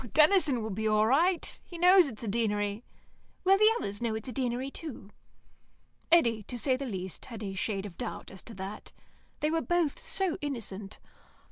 "Oh, Denison will be all right. He knows it's a Deanery." "Will the others know it's a Deanery, too?" Eddy, to say the truth, had a shade of doubt as to that. They were both so innocent.